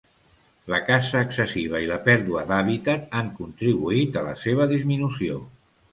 La caça excessiva i la pèrdua d'hàbitat han contribuït a la seva disminució.